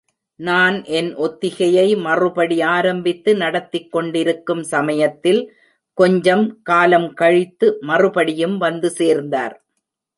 நான் என் ஒத்திகையை மறுபடி ஆரம்பித்து நடத்திக் கொண்டிருக்கும் சமயத்தில் கொஞ்சம் காலம் கழித்து மறுபடியும் வந்து சேர்ந்தார்!